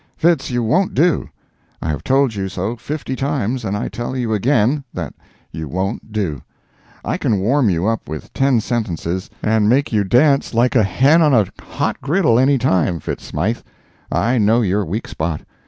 Fitz, you won't do. I have told you so fifty times, and I tell you again, that you won't do. I can warm you up with ten sentences, and make you dance like a hen on a hot griddle, any time, Fitz Smythe. I know your weak spot.